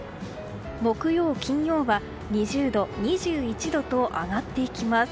木曜、金曜は２０度、２１度と上がっていきます。